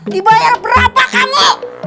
dibayar berapa kamu